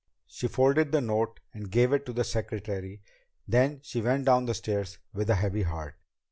She folded the note and gave it to the secretary. Then she went down the stairs with a heavy heart.